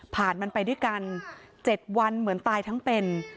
มันไปด้วยกัน๗วันเหมือนตายทั้งเป็น